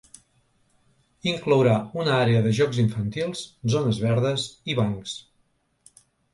Inclourà un àrea de jocs infantils, zones verdes i bancs.